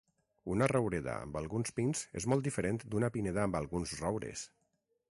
Una roureda amb alguns pins és molt diferent d’una pineda amb alguns roures.